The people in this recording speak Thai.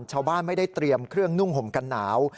ชาวบ้านไม่ได้เตรียมเครื่องนุ่งห่มกันหนาว